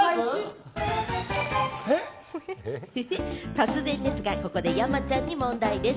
突然ですがここで山ちゃんに問題でぃす。